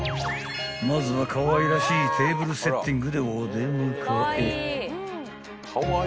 ［まずはかわいらしいテーブルセッティングでお出迎え］